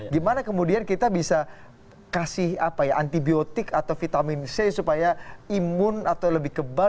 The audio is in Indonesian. gimana kemudian kita bisa kasih antibiotik atau vitamin c supaya imun atau lebih kebal